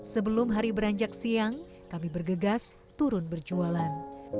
sebelum hari beranjak siang kami bergegas turun berjualan